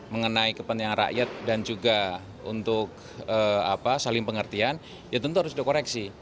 mengenai kepentingan rakyat dan juga untuk saling pengertian ya tentu harus dikoreksi